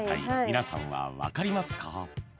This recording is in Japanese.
皆さんは分かりますか？